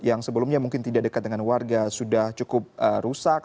yang sebelumnya mungkin tidak dekat dengan warga sudah cukup rusak